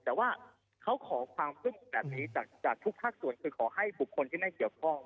แต่ว่าเขาขอความร่วมมือแบบนี้จากทุกภาคส่วนคือขอให้บุคคลที่ไม่เกี่ยวข้อง